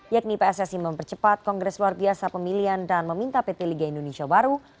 yakni pssi mempercepat kongres luar biasa pemilihan dan meminta pt liga indonesia baru